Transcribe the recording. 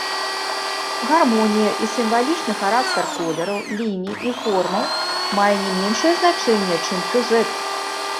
Гармонія і сімвалічны характар колераў, ліній і формаў мае не меншае значэнне, чым сюжэт.